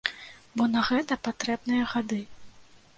Бо на гэта патрэбныя гады.